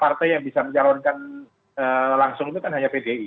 partai yang bisa mencalonkan langsung itu kan hanya pdi